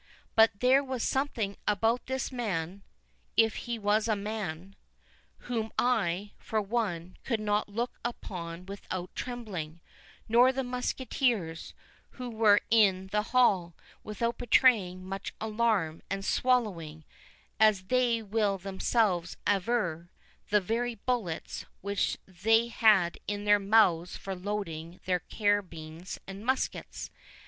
But there was something about this man (if he was a man) whom I, for one, could not look upon without trembling; nor the musketeers,—who were in the hall, without betraying much alarm, and swallowing, as they will themselves aver, the very bullets—which they had in their mouths for loading their carabines and muskets.